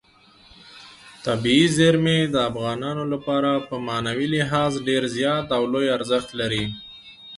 طبیعي زیرمې د افغانانو لپاره په معنوي لحاظ ډېر زیات او لوی ارزښت لري.